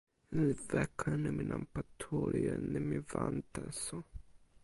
jan li weka e nimi nanpa tu, li jo e nimi wan taso.